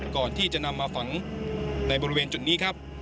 ก่อนที่จะนำมาฝังในบริเวณจุดนี้ครับ